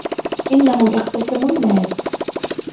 إنهم إقتسموا المال.